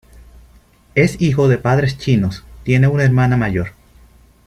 Es hijo de padres chinos, tiene una hermana mayor.